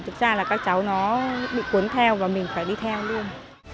thực ra là các cháu nó bị cuốn theo và mình phải đi theo luôn